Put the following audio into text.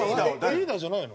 リーダーじゃないの？